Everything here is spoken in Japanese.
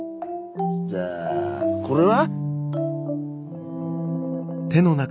じゃあこれは？